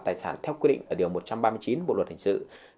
tài sản theo quy định ở điều một trăm ba mươi chín bộ luật hình sự